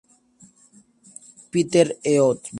Peter Eötvös